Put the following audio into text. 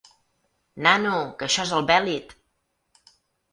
Nano, que això és el bèlit!